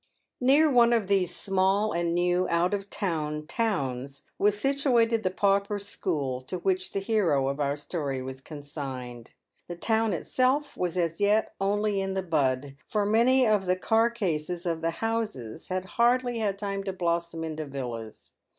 Near one of these small and new out of town towns was situated the pauper school to which the hero of our story was consigned. The town itself was as yet only in the bud, for many of the carcases of the houses had hardly had time to blossom into villas.